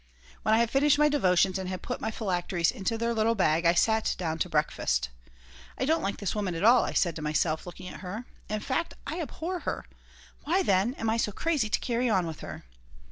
When I had finished my devotions and had put my phylacteries into their little bag I sat down to breakfast. "I don't like this woman at all," I said to myself, looking at her. "In fact, I abhor her. Why, then, am I so crazy to carry on with her?"